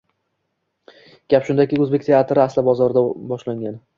Gap shundaki, o‘zbek teatri asli bozordan boshlangan